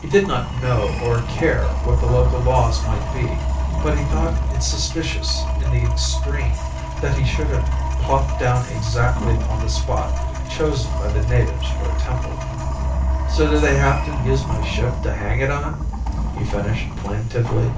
He did not know or care what the local laws might be, but he thought it suspicious in the extreme that he should have plopped down exactly upon the spot chosen by the natives for a temple. "So do they have to use my ship to hang it on?" he finished plaintively.